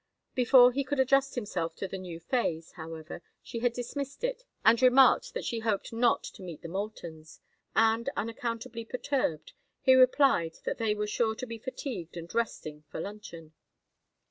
Before he could adjust himself to the new phase, however, she had dismissed it and remarked that she hoped not to meet the Moultons; and, unaccountably perturbed, he replied that they were sure to be fatigued and resting for luncheon.